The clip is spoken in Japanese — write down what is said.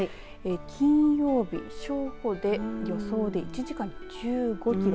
金曜日、正午で予想で１時間に１５キロ。